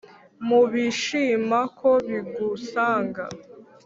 nubishima ko bigusanga